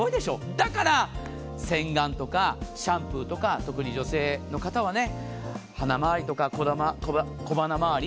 だから洗顔とかシャンプーとか特に女性の方は鼻周りとか小鼻周り